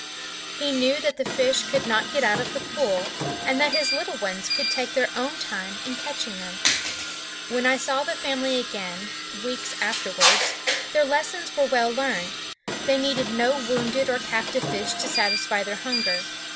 He knew that the fish could not get out of the pool, and that his little ones could take their own time in catching them. When I saw the family again, weeks afterwards, their lessons were well learned; they needed no wounded or captive fish to satisfy their hunger.